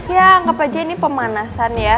ya anggap aja ini pemanasan ya